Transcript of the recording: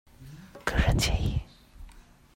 個人建議